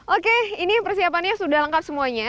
oke ini persiapannya sudah lengkap semuanya